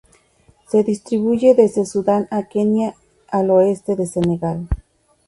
Se distribuye desde Sudán a Kenia y al oeste de Senegal.